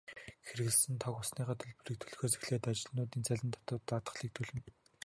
Хэрэглэсэн тог, усныхаа төлбөрийг төлөхөөс эхлээд ажилтнуудын цалин, татвар, даатгалыг төлнө.